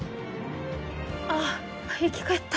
ああ生き返った。